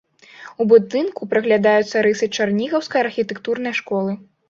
У будынку праглядаюцца рысы чарнігаўскай архітэктурнай школы.